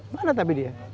gak ada tapi dia